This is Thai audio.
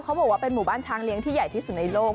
เขาบอกว่าเป็นหมู่บ้านช้างเลี้ยงที่ใหญ่ที่สุดในโลก